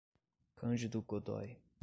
Cândido Godói